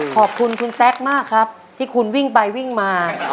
ขอบคุณคุณแซคมากครับที่คุณวิ่งไปวิ่งมา